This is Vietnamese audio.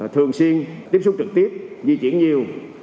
thường xuyên tiếp xúc trực tiếp di chuyển nhiều